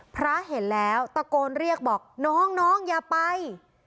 พระเห็นแล้วตะโกนเรียกบอกน้องอย่าไป